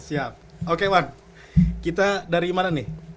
siap oke wan kita dari mana nih